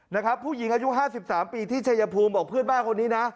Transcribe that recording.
นะครับผู้หญิงอายุ๕๓ปีที่ชายภูมิบอกเพื่อนบ้านคนนี้นะ